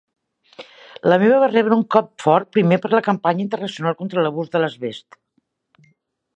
La meva va rebre un cop fort primer per la campanya internacional contra l'ús de l'asbest.